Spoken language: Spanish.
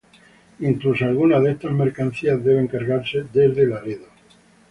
Incluso, algunas de estas mercancías debían cargarse desde Laredo.